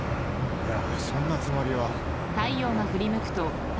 いやそんなつもりは。